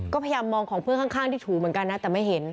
ก็พยายามมองของเพื่อนข้างที่ถูเหมือนกันนะแต่ไม่เห็น